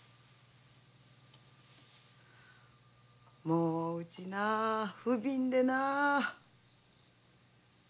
もううちなふびんでなあ。